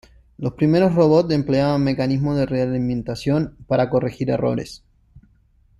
Los primeros robots empleaban mecanismos de realimentación para corregir errores.